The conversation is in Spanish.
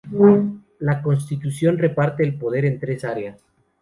La Constitución reparte el Poder en tres áreas.